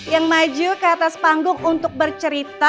yang maju ke atas panggung untuk bercerita